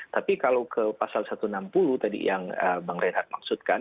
tapi kalau ke pasal satu ratus enam puluh tadi yang bang reinhardt maksudkan